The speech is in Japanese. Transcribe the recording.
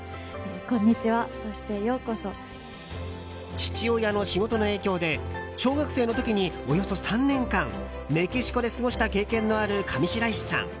父親の仕事の影響で小学生の時におよそ３年間メキシコで過ごした経験のある上白石さん。